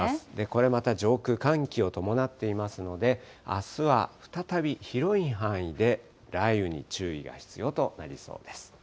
これまた上空、寒気を伴っていますので、あすは再び広い範囲で雷雨に注意が必要となりそうです。